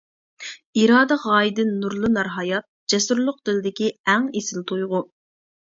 ئىرادە غايىدىن نۇرلىنار ھايات-جەسۇرلۇق دىلدىكى ئەڭ ئېسىل تۇيغۇ.